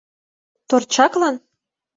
— Торчаклан?